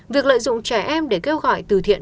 việc lợi dụng trẻ em để kêu gọi từ thiện